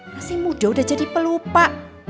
masih muda udah jadi pelupa